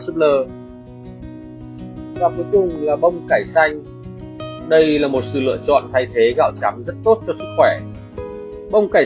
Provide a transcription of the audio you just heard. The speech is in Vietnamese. súp lơ tám bông cải xanh đây là một sự lựa chọn thay thế gạo trắng rất tốt cho sức khỏe bông cải